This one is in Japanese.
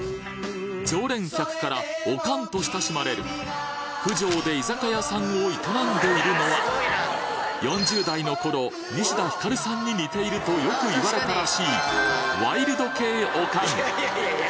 常連客からオカンと親しまれる九条で居酒屋さんを営んでいるのは４０代の頃西田ひかるさんに似ているとよく言われたらしいワイルド系オカン！